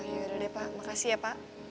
yaudah deh pak makasih ya pak